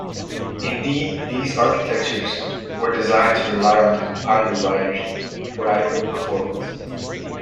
Indeed, these architectures were designed to rely on compiler writers for adequate performance.